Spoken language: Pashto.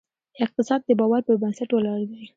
اقتصاد د باور پر بنسټ ولاړ دی.